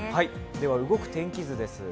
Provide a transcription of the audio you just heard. では動く天気図です。